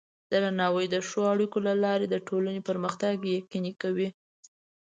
درناوی د ښو اړیکو له لارې د ټولنې پرمختګ یقیني کوي.